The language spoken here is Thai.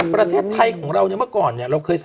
ประเทศไทยของเราเมื่อก่อนเนี่ย